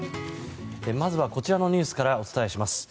まずは、こちらのニュースからお伝えします。